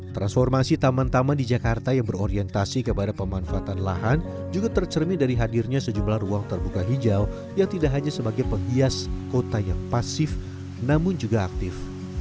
transformasi taman taman di jakarta yang berorientasi kepada pemanfaatan lahan juga tercermin dari hadirnya sejumlah ruang terbuka hijau yang tidak hanya sebagai penghias kota yang pasif namun juga aktif